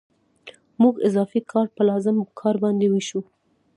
موږ اضافي کار په لازم کار باندې وېشو